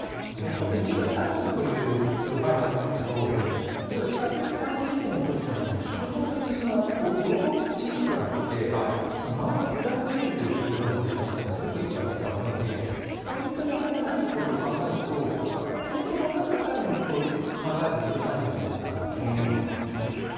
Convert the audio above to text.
ちょっと一部、サリンという情報がありますけど、例えば地下鉄サリン事件のときに、縮瞳といって、瞳孔が小さくなって、周りが暗く見えるという症状が出た方がすごくいっぱいいたわけで、そういった情報がないことを考えると、今の段階ではサリンと考える理由はないのではないかなと思います